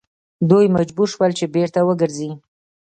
دوی مجبور شول چې بیرته وګرځي.